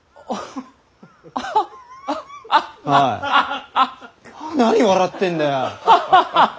おい何笑ってんだよ！